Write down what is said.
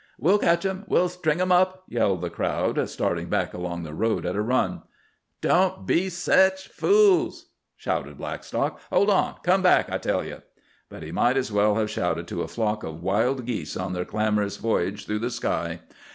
"We'll ketch him!" "We'll string him up!" yelled the crowd, starting back along the road at a run. "Don't be sech fools!" shouted Blackstock. "Hold on! Come back I tell ye!" But he might as well have shouted to a flock of wild geese on their clamorous voyage through the sky.